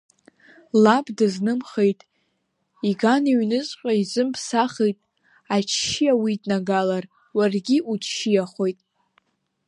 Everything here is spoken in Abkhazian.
Лаб дызнымхеит, иганҩныҵәҟьа изымԥсахит, аччиа уиднагалар, уаргьы уччиахоит!